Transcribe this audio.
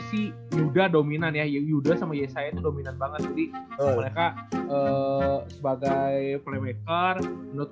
sih muda dominan ya yuda sama yesaya itu dominan banget jadi mereka sebagai playmaker menurut